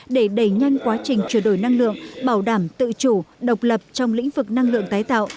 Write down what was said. để đẩy nhanh quá trình chuyển đổi năng lượng bảo đảm tự chủ độc lập trong lĩnh vực năng lượng tái tạo